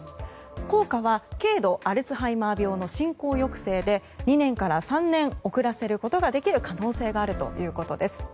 効果は軽度アルツハイマー病の進行抑制で２年から３年遅らせることができる可能性があるということです。